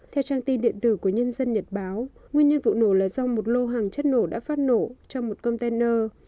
theo trang tin điện tử của nhân dân nhật báo nguyên nhân vụ nổ là do một lô hàng chất nổ đã phát nổ trong một container